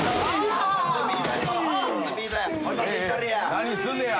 何すんねや？